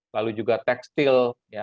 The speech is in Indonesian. lalu juga tekstil ya